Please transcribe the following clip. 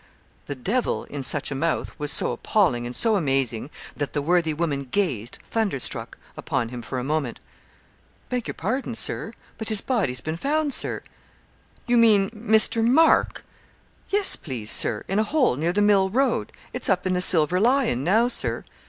'The devil,' in such a mouth, was so appalling and so amazing, that the worthy woman gazed, thunder struck, upon him for a moment. 'Beg your pardon, Sir; but his body's bin found, Sir.' 'You mean Mr. Mark?' 'Yes, please, Sir; in a hole near the mill road it's up in the "Silver Lion" now, Sir.'